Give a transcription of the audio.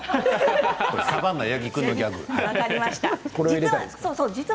サバンナの八木君のギャグ。